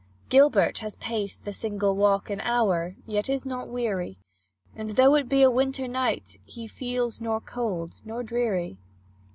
Gilbert has paced the single walk An hour, yet is not weary; And, though it be a winter night He feels nor cold nor dreary.